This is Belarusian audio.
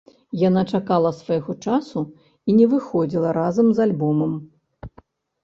Яна чакала свайго часу і не выходзіла разам з альбомам.